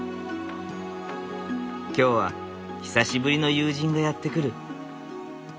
今日は久しぶりの友人がやって来る。